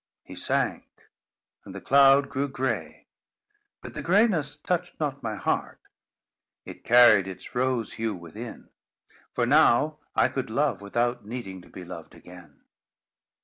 He sank, and the cloud grew gray; but the grayness touched not my heart. It carried its rose hue within; for now I could love without needing to be loved again.